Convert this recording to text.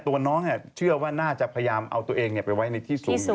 ตัวน้องเชื่อว่าน่าจะพยายามเอาตัวเองไปไว้ในที่สูง